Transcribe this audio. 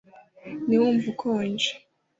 ntiwumva ukonje